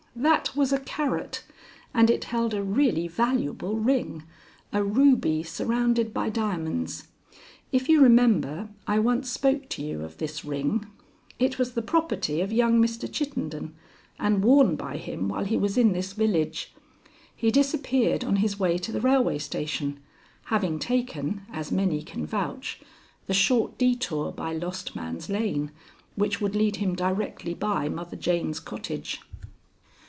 "That was a carrot, and it held a really valuable ring a ruby surrounded by diamonds. If you remember, I once spoke to you of this ring. It was the property of young Mr. Chittenden and worn by him while he was in this village. He disappeared on his way to the railway station, having taken, as many can vouch, the short detour by Lost Man's Lane, which would lead him directly by Mother Jane's cottage."